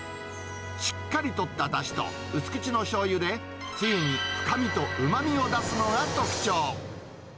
しっかりとっただしと薄口のしょうゆで、つゆに深みとうまみを出すのが特徴。